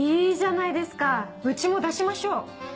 いいじゃないですかうちも出しましょう！